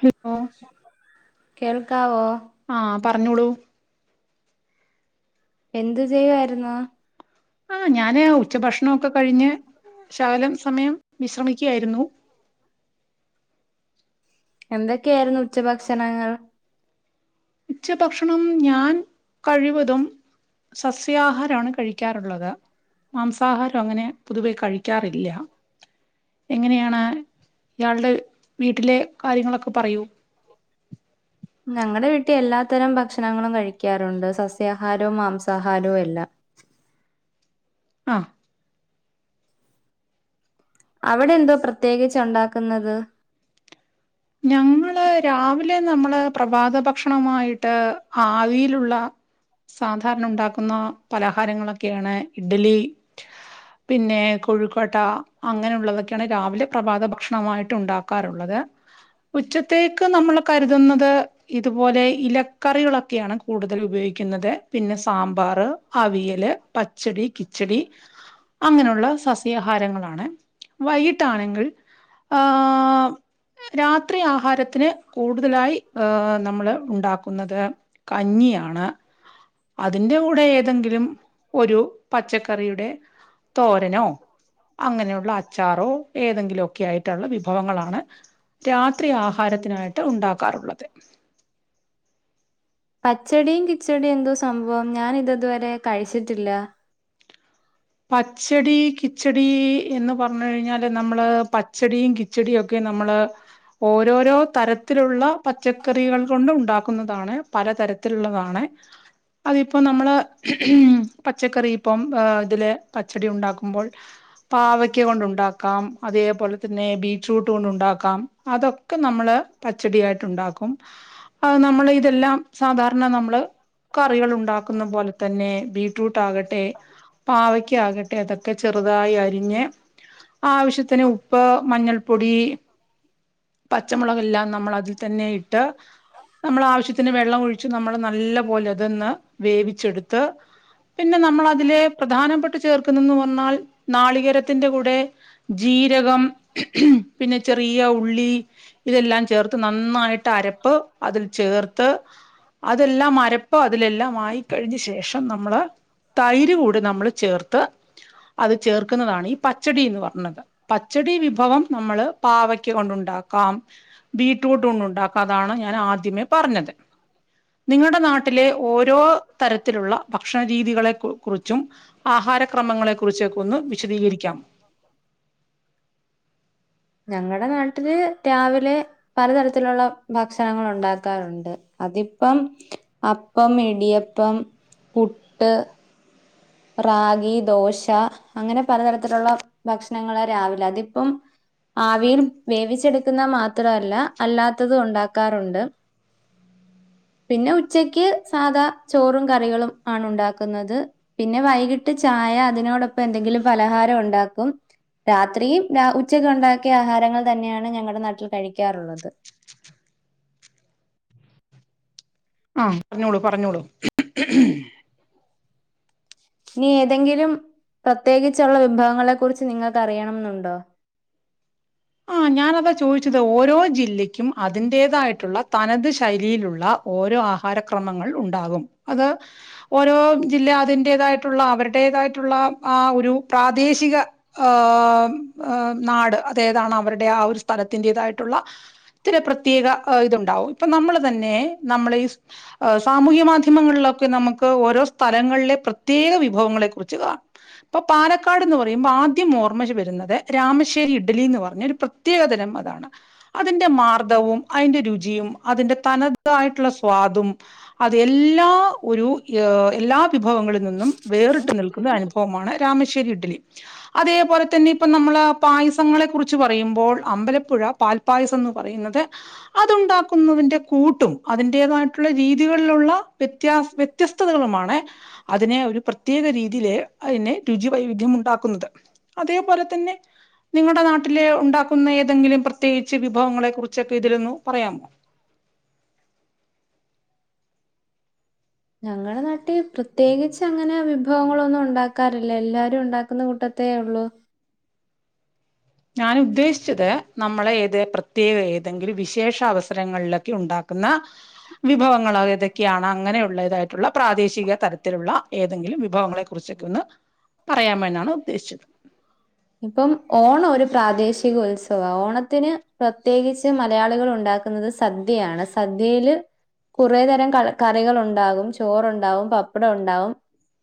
Hello കേൾക്കാവോ ആഹ് പറഞ്ഞോളൂ എന്തു ചെയ്യായിരുന്നു ആഹ ഞാന് ഉച്ചഭക്ഷണൊക്കെ കഴിഞ്ഞ് ശകലം സമയം വിശ്രമിക്കായിരുന്നു. എന്തൊക്കെയായിരുന്നു ഉച്ചഭക്ഷണങ്ങൾ ഉച്ച ഭക്ഷണം ഞാൻ കഴിവതും സസ്യാഹാരമാണ് കഴിക്കാറുള്ളത് മാംസാഹാരം അങ്ങനെ പൊതുവെ കഴിക്കാറില്ല എങ്ങനെയാണ് ഇയാളുടെ വീട്ടിലെ കാര്യങ്ങളൊക്കെ പറയൂ ഞങ്ങളടെ വീട്ടില് എല്ലാ തരം ഭക്ഷണങ്ങളും കഴിക്കാറുണ്ട് സസ്യാഹാരവും മാംസാഹാരവും എല്ലാം ആഹ അവിടെ എന്തപ്രത്യേകിച്ച് ഉണ്ടാക്കുന്നത് ഞങ്ങള് രാവിലെ നമ്മക്ക് നമ്മള് പ്രഭാത ഭക്ഷണമായിട്ട് ആവിയിലുള്ള സാധാരണ ഉണ്ടാക്കുന്ന പലഹാരങ്ങളൊക്കെയാണ് ഇഡ്ലി പിന്നെകൊഴുക്കട്ട അങ്ങനെയുള്ളതൊക്കെയാണ് രാവിലെ പ്രഭാത ഭക്ഷണമായിട്ട് ഉണ്ടാക്കാറുള്ളത് ഉച്ചക്ക് ഉച്ചക്കത്തെക്ക് നമ്മൾ കരുതുന്നത് ഇതുപോലെ ഇലക്കറികളൊക്കെയാണ് കൂടുതൽ ഉപയോഗിക്കുന്നത് പിന്നെ സാമ്പാർ അവിയല് പച്ചടി കിച്ചടി അങ്ങനെയുള്ള സസ്യാഹാരങ്ങളാണ് വൈകിട്ടാണെങ്കിൽ ആഹ രാത്രി ആഹാരത്തിന് കൂടുതലായി രാത്രി നമ്മള് ഉണ്ടാക്കുന്നത് കഞ്ഞിയാണ് അതിറെ കൂടെ ഏതെങ്കിലും ഒരു പച്ചക്കറിയുടെ തോരനോ അങ്ങനെയുള്ള അച്ചാറോ ഏതെങ്കിലുമൊക്കെ ആയിട്ടുള്ള വിഭവങ്ങളാണ് രാത്രി ആഹാരത്തിനായിട്ട് ഉണ്ടാക്കാറുള്ളത് പച്ചടിയും കിച്ചടിയും എന്ത സംഭവം ഞാൻ ഇതുവരെ കഴിച്ചിട്ടില്ല പച്ചടി കിച്ചടി എന്ന് പറഞ്ഞു കഴിഞ്ഞാല് നമ്മള് പച്ചടിയും കിച്ചടിയും ഒക്കെ നമ്മള് ഓരോരോ തരത്തിലുള്ള പച്ചക്കറികൾ കൊണ്ട് ഉണ്ടാക്കുന്നതാണ് പല തരത്തിലുള്ളതാണ് അതിപ്പോം നമ്മള് പച്ചക്കറി ഇപ്പം ഇതില് പച്ചടി ഉണ്ടാക്കുമ്പോൾ പാവക്ക കൊണ്ട ഉണ്ടാക്കാം അതേപോലെ തന്നെ ബീട്രൂട്ട് കൊണ്ട ഉണ്ടാക്കാം അതൊക്കെ നമ്മള് പച്ചടിയായിട്ട് ഉണ്ടാക്കും അ നമ്മൾ ഇതെല്ലാം സാധാരണ നമ്മള് കറികൾ ഉണ്ടാക്കുന്ന പോലെ തന്നെ ബീട്രൂട്ട് ആകട്ടെ പാവക്ക ആകട്ടെ അതൊക്കെ ചെറുതായി അരിഞ്ഞ് ആവശ്യത്തിന് ഉപ്പ് മഞ്ഞൾപ്പൊടി പച്ചമുളകല്ലാം നമ്മൾ അതിൽ തന്നെ ഇട്ട് നമ്മൾ ആവശ്യത്തിന് വെള്ളം ഒഴിച്ച് നമ്മൾ നല്ല പോലെ അതന്ന് വേവിച്ചെടുത്ത് പിന്നെ നമ്മള അതിലെ പ്രധാനപ്പെട്ട നടന്ന് ഒ നാളികരത്തിന്റെ കൂടെ ജീരകം പിന്നെ ചെറിയ ഉള്ളി ഇതെല്ലാം ചേർത്ത് നന്നായിട്ട് അരപ്പ് അതിൽ ചേർത്ത് അതെല്ലാം അരപ്പ് അതിലെല്ലാം ആയിക്കഴിഞ്ഞ ശേഷം നമ്മള് തൈര് കൂടി നമ്മൾ ചേർത്ത് ത അത് ചേർക്കുന്നതാണ് ഈ പച്ചടി എന്ന് പറഞ്ഞത് പച്ചടി വിഭവം നമ്മള് പാവക്ക കൊണ്ടുണ്ടാക്കാം ബീട്രൂട്ട് കൊണ്ടുണ്ടാക്കാംതാണ് ഞാൻ ആദ്യമേ പറഞ്ഞത് നിങ്ങളുടെ നാട്ടിലെ ഓരോ തരത്തിലുള്ള ഭക്ഷണ രീതികളെ കുറിച്ചും ആഹാര ക്ര മ ങ്ങളെ കുറിച്ചൊക്ക ഒന്ന് വിശദീകരിക്കാം ഞങ്ങളുടെ നാട്ടില് രാവിലെ പലതരത്തിലുള്ള ഭക്ഷണങ്ങള് ഉണ്ടാക്കാറുണ്ട് അതിപ്പം അപ്പം ഇടിയപ്പം പുട്ട് റാഗി ദോശ അങ്ങനെ പലതരത്തിലുള്ള ഭക്ഷണങ്ങെ രാവിലെ അതിപ്പം ആവിയിൽ വേവിച്ചെടുക്കുന്ന മാത്രല്ല അല്ലാത്തതും ഉണ്ടാക്കാറുണ്ട് പിന്നെ ഉച്ചക്ക് സാധാ ചോറും കറികളും ആണ് ഉണ്ടാക്കുന്നത് പിന്നെ വൈകിട്ട് ചായ അതിനോടൊപ്പം എന്തെങ്കിലും പലഹാരം ഉണ്ടാക്കും രാത്രിയും ഉച്ചക്ക് ഉണ്ടാക്കിയ ആഹാരങ്ങൾ തന്നെയാണ് ഞങ്ങളുടെ നാട്ടിൽ കഴിക്കാറുള്ളത് ആഹ പറഞ്ഞോളൂ പറഞ്ഞോളൂ നി ഏതെങ്കിലും പ്രത്യേകിച്ചുള്ള വിഭവങ്ങളെ കുറിച്ച് നിങ്ങൾക്ക് അറിയണമെന്നുണ്ടോ? ആ് ഞാാനതാ ചോദിച്ചത് ഓരോ ജില്ലക്കും അതിൻറേതായിട്ടുള്ള തനത് ശൈലിയിലുള്ള ഓരോ ആഹാരക്രമങ്ങൾ ഉണ്ടാകും അത് ഓരോ ജില്ല അതിന്റതായിട്ടുള്ള അവരുടേതായിട്ടുള്ള ആ ഒരു പ്രാദേശിക ആ നാട് ത അവരുടെ ആ ഒരു സ്ഥലത്തിന്റേതായിട്ടുള്ള ഇത്തിരി പ്രത്യേക ഇതുണ്ടാവും ഇപ്പൊ നമ്മൾ തന്നെ നമ്മൾ ഈ സാമൂഹ്യ മാധ്യമങ്ങളിലൊക്കെ നമുക്ക് ഓരോ സ്ഥലങ്ങളിലെ പ്രത്യേക വിഭവങ്ങളെ കുറിച്ച് കാണാം ഇപ്പൊ പാലക്കാട് എന്ന് പറയുമ്പോൾ ആദ്യം ഓർമ്മ വരുന്നത് രാമ ഇഡ്ഡലിന്ന് പറഞ്ഞ ഒരു പ്രത്യേകതരം അതാണ് അതിന്റെ മാർദവും അതിന്റെ രുചിയും അതിന്റെ തനതായിട്ടുള്ള സ്വാദും അത് എല്ലാ ഒരു ഹ് എല്ലാ വിഭവങ്ങളിൽ നിന്നും വേറിട്ട് നിൽക്കുന്ന അനുഭവമാണ് രാമശ്ശേരി ഇഡ്ഡലി അത് അതേപോലെ തന്നെ ഇപ്പ നമ്മള് പായസ് പ്പ ങ്ങളെ കുറിച്ച് പറയുമ്പോൾ അമ്പലപ്പുഴ പാൽപായസം ന്ന് പറയുന്നത് അതുണ്ടാക്കുന്നതിന്റെ കൂട്ടും അതിന്റെതായിട്ടുള്ള രീതികളിലുള്ള വ്യത്യാ വ്യത്യസ്തതകളുമാണ് അതിനെ ഒരു പ്രത്യേക രീതില് അയിനെ രുചി വൈവിധ്യം ഉണ്ടാക്കുന്നത് അതേപോലെ തന്നെ നിങ്ങടെ നാട്ടില് ഉണ്ടാക്കുന്ന ഏതെങ്കിലും പ്രത്യേകിച്ച് വിഭവങ്ങളെ കുറിച്ചൊക്കെ ഇതിലൊന്നു പറയാമോ ഞങ്ങളെ നാട്ടി പ്രത്യേകിച്ചങ്ങനെ വിഭവങ്ങളൊന്നു ഒണ്ടാക്കാറില്ല എല്ലാരും ഒണ്ടാക്കുന്ന കൂട്ടത്തി ത്തേ ഉള്ളൂ ഞാൻ ഉദ്ദേശിച്ചത് നമ്മളെ ഏത് പ്രത്യേക ഏതെങ്കിലും വിശേഷ അവസരങ്ങളിലൊക്കെ ഉണ്ടാക്കുന്ന വിഭവങ്ങൾ ഏതൊക്കെയാണ് അങ്ങനെയുള്ള തായി ട്ടുള്ള പ്രാദേശിക തരത്തിലുള്ള ഏതെങ്കിലും വിഭവങ്ങളെ കുറിച്ചൊക്കെ ഒന്ന് പറയാമോ വെന്നാണ് ഉദ്ദേശിച്ചത് ഇപ്പം ഓണം ഒരു പ്രാദേശിക ഉത്സവ ഓണത്തിന് പ്രത്യേകിച്ച് മലയാളികൾ ഉണ്ടാക്കുന്നത് സദ്യയാണ് സദ്യയിൽ കുറെേ തരം കറികൾ ഒണ്ടാകും ചോറുൺ ണ്ടാവും പപ്പടൊണ്ടാവും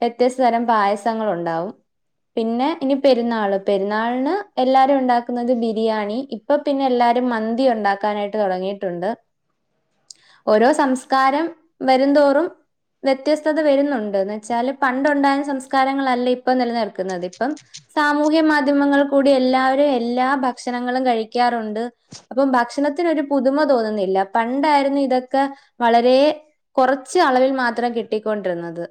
വ്യത്യസ്ത തരം പായസങ്ങളൊണ്ടാവും പിന്നെ ഇനി പെരുന്നാള് പെരുന്നാളിന് എല്ലാരും ഉണ്ടാക്കുന്നത് ബിരിയാണി ഇപ്പൊ പ്പിന്നെ എല്ലാരും മന്തി ഒണ്ടാക്കാനായിട്ട് തുടങ്ങിയിട്ടുണ്ട് ഓരോ സംസ്കാരം വരുംന്തോറും വ്യത്യസ്തത വരുന്നുണ്ട്ന്ന് വെച്ചാല് പണ്ട് ഉണ്ടായിരുന്ന സംസ്കാരങ്ങളല്ലേ ഇപ്പൊ നിലനിൽക്കുന്നത് ഇപ്പം സാമൂഹ്യ മാധ്യമങ്ങൾ കൂടി എല്ലാവരും എല്ലാ ഭക്ഷണങ്ങളും കഴിക്കാറുണ്ട് അപ്പം ഭക്ഷണത്തിന്ഒരു പുതുമ തോന്നുന്നില്ല പണ്ടായിരുന്നു ഇതൊക്കെ വളരെ കുറച്ച് അളവിൽ മാ ത്രം കിട്ടിക്കൊണ്ടിരുന്നത്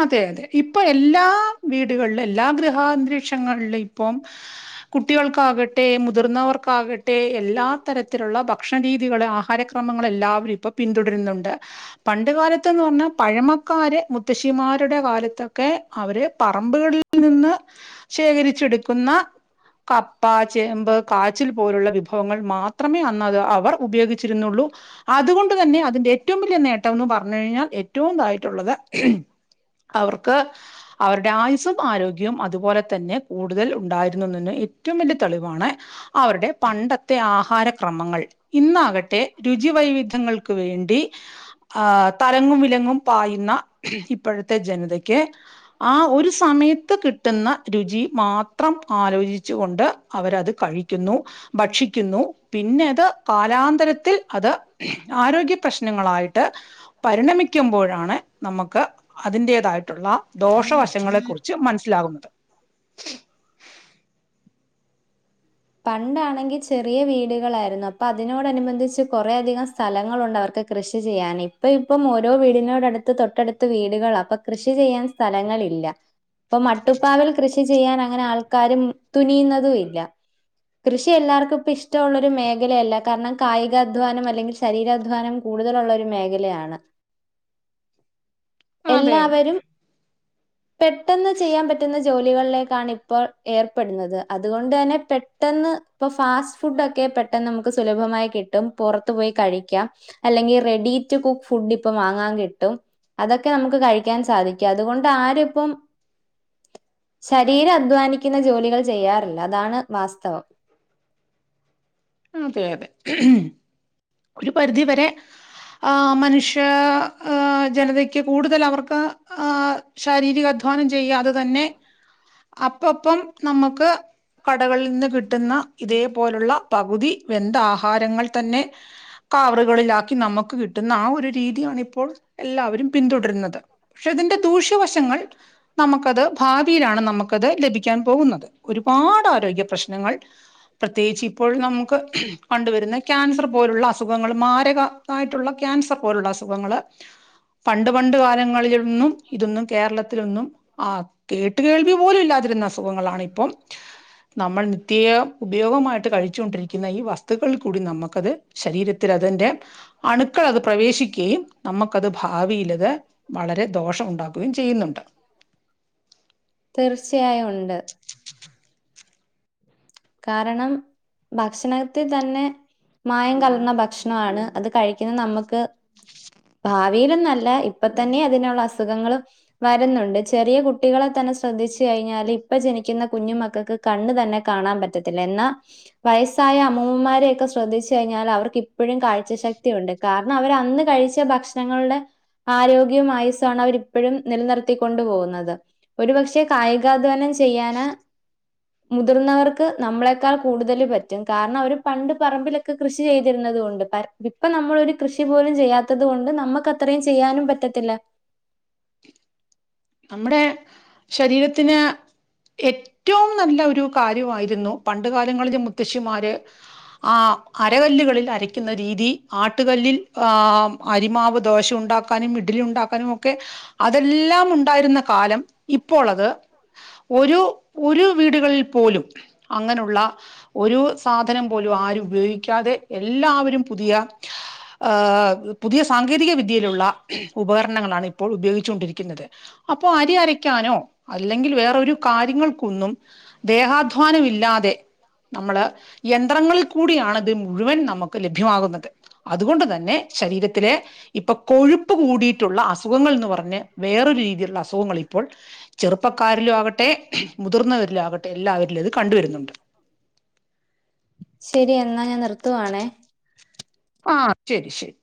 അതെ അതെ ഇപ്പൊ എല്ലാ വീ ടുകളിൽ എല്ലാ ഗൃഹാന്തരീക്ഷങ്ങളിലും ഇപ്പം കുട്ടികൾക്കാകട്ടെ മുതിർന്നവർക്കാകട്ടെ എല്ലാ തരത്തിലുള്ള ഭക്ഷണരീതികള് ആഹാരക്രമങ്ങൾ എല്ലാവരും ഇപ്പൊ പിന്തുടരുന്നുണ്ട് പണ്ട് കാലത്ത്ന്ന് പറഞ്ഞാൽ പഴമക്കാര് മു ത്തശ്ശിമാരുടെ കാലത്തൊക്കെ അവര് പറമ്പുകളിൽ നിന്ന് ശേഖരിച്ചെടുക്കുന്ന കപ്പ ചേമ്പ് കാച്ചിൽ പോലുള്ള വിഭവങ്ങൾ മാത്രമേ അന്ന് അത് അവർ ഉപയോഗിച്ചിരുന്നുള്ളൂ അതുകൊണ്ട് തന്നെ അ തിന്റെ ഏറ്റവും വലിയ നേട്ടം എന്ന് പറഞ്ഞു കഴിഞ്ഞാൽ ഏറ്റവും ഇതായിട്ടുള്ളത് അവർക്ക് അവരുടെ ആയുസ്സും ആരോഗ്യവും അതുപോലെ തന്നെ കൂടുതൽ ഉണ്ടായിരുന്നന് ഏറ്റവും വലിയ തെളിവാണ് അവരുടെ പണ്ടത് ത്തെ ആഹാരക്രമങ്ങൾ ഇന്നാകട്ടെ രുചി വൈവിധ്യങ്ങൾക്ക് വേണ്ടി ആ തലങ്ങും വിലങ്ങും പായുന്ന ഇപ്പൊഴത്തെ ജനതയ്ക്ക് ആ ഒരു സമയത്ത് കിട്ടുന്ന രുചി മാത്രം ആലോചിച്ചു കൊണ്ട് അവരത് കഴിക്കുന്നു ഭക്ഷിക്കുന്നു ഔ പിന്നത് കാലാന്തരത്തിൽ അത് ആരോഗ്യ പ്രശ്നങ്ങളായിട്ട് പരിണമിക്കുമ്പോഴാണ് നമുക്ക് അതിന്റേതായിട്ടുള്ള ദോഷവശങ്ങളെ കുറിച്ച് മനസ്സിലാകുന്നത് പണ്ടാണെങ്കിൽ ചെ റിയ വീടുകളായിരുന്നു അപ്പൊ അതിനോടനുബന്ധിച്ച് കൊറേ അധികം സ്ഥലങ്ങളുണ്ട് അവർക്ക് കൃഷി ചെയ്യാന് ഇപ്പ ഇപ്പം ഓരോ വീടിനോടടുത്ത് തൊട്ടടുത്ത് വീടുകളാ അപ്പൊ കൃഷി ചെയ്യാൻ സ്ഥലങ്ങളില്ല പ്പൊ മട്ടുപ്പാവിൽ കൃഷി ചെയ്യാൻ അങ്ങനെ ആൾക്കാരും തുനിയുന്നതു ഇല്ല കൃഷി എല്ലാവർക്കും പ്പൊ ഇഷ്ടമുള്ളൊരു മേഖലയല്ല കാരണം കായികാധ്വാനം അല്ലെങ്കിൽ ശരീരധ്വാനം കൂടുതലുള്ള ഒരു മേഖലയാണ് എല്ലാവരും പെട്ടെന്ന് ചെയ്യാൻ പറ്റുന്ന ജോലികളിലേക്കാണ് ഇപ്പോൾ ഏർപ്പെടുന്നത് അതുകൊണ്ട് തന്നെ പെട്ടെന്ന് പ്പൊ ഫാസ്റ്റ് ഫുടൊക്കെ പെട്ടെന്ന് നമുക്ക് സുലഭമായി കിട്ടും പൊറത്തു പോയി കഴിക്കാം അല്ലെങ്കിൽ റെഡി ടു കുക്ക് ഫുഡിപ്പം വാങ്ങാൻ കിട്ടും അതൊക്കെ നമുക്ക് കഴിക്കാൻ സാധിക്കാം അതുകൊണ്ട് ആരും ഇപ്പം ശരീരം അധ്വാനിക്കുന്ന ജോലികൾ ചെയ്യാറില്ല അതാണ് വാസ്തവം ഉം തെ അതെ ഒരു പരിധി വരെ ആ മനുഷ്യ ജനതക്ക് കൂടുതൽ അവർക്ക് ആ ശാരീരികാധ്വാനം ചെയ്യാതെ തന്നെ അപ്പപ്പം നമുക്ക് കടകളിൽ നിന്ന് കിട്ടുന്ന ഇതേപോലുള്ള പകുതി വെന്ത ആഹാരങ്ങൾ തന്നെ കാവറുകളിലാക്കി നമുക്ക് കിട്ടുന്ന ആ ഒരു രീതിയണിപ്പോൾ എല്ലാവരും പിന്തുടരുന്നത് പക്ഷെ അതിന്റെ ദൂഷ്യ ത്ത് വശങ്ങൾ നമ്മുക്കത് ഭാവിയിലാണ് നമുക്കത് ലഭിക്കാൻ പോകുന്നത് ഒരുപാട് ആരോഗ്യ പ്രശ്നങ്ങൾ പ്രത്യേകിച്ച് ഇപ് നമുക്ക് കണ്ടുവരുന്ന ക്യാൻസർ പോലുള്ള അസുഖങ്ങൾ മാരക ആയിട്ടുള്ള ക്യാൻസർ പോലുള്ള അസുഖങ്ങള് പണ്ട് പണ്ട് കാലങ്ങളിൽഒന്നും ഇതൊന്നും കേരളത്തിലൊന്നും ആ കേട്ട് കേൾവി പോലും ഇല്ലാതിരുന്ന അസുഖങ്ങ ങ്ങളാണിപ്പം നമ്മൾ നിത്യ ഉപയോഗ വച്ചൊണ്ടിരിക്കുന്ന ഈ വസ്തുക്കളിൽ കൂടി നമുക്കത് ശരീരത്തിൽ അതിന്റെ അണുക്കൾ അത് പ്രവേശിക്കുകയും നമുക്കത് ഭാവിയിലത് വളരെ ദോഷം ഉണ്ടാക്കുകയും ചെയ്യുന്നുണ്ട് തീർച്ചയായും ഉണ്ട്. കാരണം ഭക്ഷണത്തിൽ തന്നെ മായം കലർന്ന ഭക്ഷണാണ് അത് കഴിക്കുന്ന നമുക്ക് ഭാവിയിലന്നല്ല ഇപ്പ തന്നെ അതിനുള്ള അസുഖങ്ങള് വരുന്നുണ്ട് ചെറിയ കുട്ടികളെ തന്നെ ശ്രദ്ധിച്ചു കഴിഞ്ഞാല് ഇപ്പൊ ജനിക്കുന്ന കുഞ്ഞു മക്കൾക്ക് കണ്ണു തന്നെ കാണാൻ പറ്റ് ത്തില്ല എന്നാ വയസ്സായ അമ്മൂമ്മമാരെയൊക്കെ ശ്രദ്ധിച്ചു കഴിഞ്ഞാൽ അവർക്ക് ഇപ്പഴും കാഴ്ച ശക്തി ഉണ്ട് കാരണം അവർ അന്ന് കഴിച്ച ഭക്ഷണങ്ങളുടെ ആരോഗ്യവും ആയുസു ആണ് അവരിപ്പഴും നിലനിർത്തിക്കൊണ്ടു പോകുന്നത് ഒരുപക്ഷെ കായികാധ്വാനം ചെയ്യാന് മുതിർന്നവർ തെ ക്ക് നമ്മളെക്കാൾ കൂടുതല് പറ്റും കാരണം അവര് പണ്ട് പറമ്പിലൊക്കെ കൃഷി ചെയ്തിരുന്നുന്നത് കൊണ്ട് പ ഇപ്പൊ നമ്മളൊരു കൃഷി പോലും ചെയ്യാത്തത് കൊണ്ട് നമുക്ക് അത്രയും ചെയ്യാനും പറ്റത്തില്ല നമ്മുടെ ശരീരത്തിന് ഏറ്റവും നല്ല ഒരു കാര്യമായിരുന്നു പണ്ട് കാലങ്ങളില് മുത്തശ്ശിമാര് ആ അരകല്ലുകളിൽ അരയ്ക്കുന്ന രീതി ആ ട്ട് കല്ലിൽ ആ അരിമാവ് ദോശ ഉണ്ടാക്കാനും ഇഡലി ഉണ്ടാക്കാനും ഒക്കെ അതെല്ലാം ഉ ണ്ടായിരുന്ന കാലം ഇപ്പോളത് ഒരു ഒരു വീടുകളിൽ പോലും അങ്ങനുള്ള ഒരു സാധനം പോലും ആരും ഉപയോഗിക്കാതെ എല്ലാവരും പുതിയ ഏ പുതിയ സാങ്കേതിക വിദ്യയിലുള്ള ഉപകരണങ്ങളാണ് ഇപ്പോൾ ഉപയോഗിച്ചുകൊണ്ടിരിക്കുന്നത് ഇപ്പൊ അരി അരക്കാനോ അല്ലെങ്കിൽ വേറൊരു കാര്യങ്ങൾക്കൊന്നും ദേഹാധ്വാനമില്ലാതെ നമ്മള് യന്ത്രങ്ങളിൽ കൂടിയാണത് മുഴുവൻ നമുക്ക് ലഭ്യമാകുന്നത് അതുകൊൺ ശരീരത്തിലെ ഇപ്പൊ കൊഴുപ്പ് കൂടിയിട്ടുള്ള അസുഖങ്ങൾ ന്ന് പറഞ്ഞ് വേറൊരു രീതിയിൽ ള്ള അസുഖങ്ങൾ ഇപ്പോൾ ചെറുപ്പക്കാരിലും ആകട്ടെ മുതിർന്നവരിലും ആകട്ടെ എല്ലാവരിലും ഇത് കണ്ടുവരുന്നുണ്ട് ശരി എന്നാ ഞാൻ നിർത്തുവാണേ ആഹ് ശരി ശരി